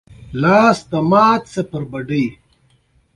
بيا مې د سبا لپاره جامې خويې کړې.